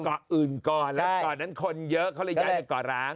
เขาไปเกาะอื่นก่อนแล้วก่อนนั้นคนเยอะเขาเรียกว่าเกาะร้าง